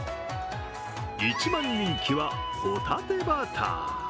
一番人気は、ほたてバター。